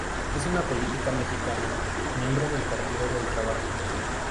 Es una política mexicana, miembro del Partido del Trabajo.